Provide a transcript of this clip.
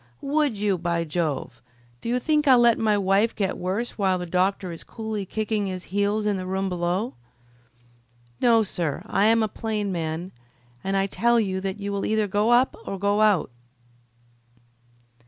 "Would you, by Jove! Do you think I'll let my wife get worse while the doctor is coolly kicking his heels in the room below? No, sir, I am a plain man, and I tell you that you will either go up or go out."